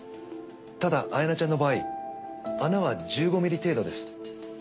ただ彩名ちゃんの場合穴は１５ミリ程度です。